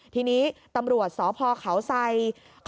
ทีนี้ตำรวจสพเขาไซ